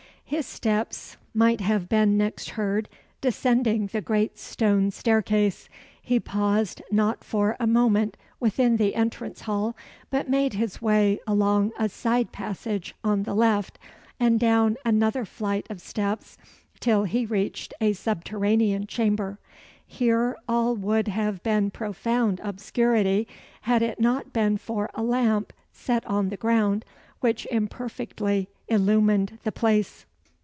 His steps might have been next heard descending the great stone staircase. He paused not a moment within the entrance hall, but made his way along a side passage on the left, and down another flight of steps, till he reached a subterranean chamber. Here all would have been profound obscurity, had it not been for a lamp set on the ground, which imperfectly illumined the place.